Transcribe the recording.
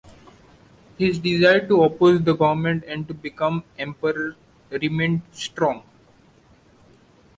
His desire to oppose the government and to become emperor remained strong.